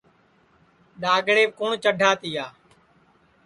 ڈؔاگڑیپ کُوٹؔ چڈھا تیا